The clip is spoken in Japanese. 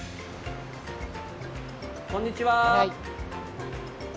こんにちは。